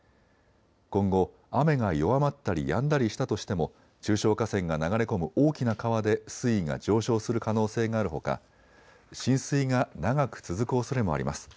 今後雨が弱まったりやんだりしたとしても中小河川が流れ込む大きな川で水位が上昇する可能性があるほか浸水が長く続くおそれもあります。